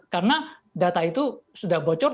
karena data itu sudah bocor